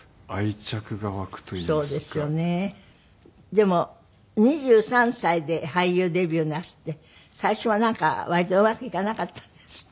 でも２３歳で俳優デビューなすって最初はなんか割とうまくいかなかったんですって？